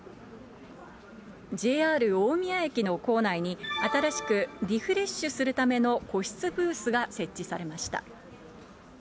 ＪＲ大宮駅の構内に、新しくリフレッシュするための個室ブースが設置されました。